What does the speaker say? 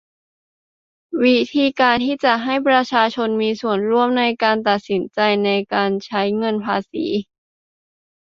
วิธีการที่จะให้ประชาชนมีส่วนร่วมในการตัดสินใจในการใช้เงินภาษี